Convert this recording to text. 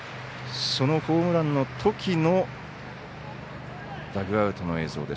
そのホームランのときのダグアウトの映像。